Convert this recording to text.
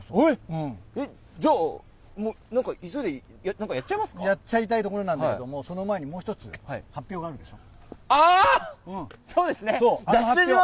じゃあ、なんか急いで、やっちゃいたいところなんだけども、その前にもう１つ発表があるでしょ？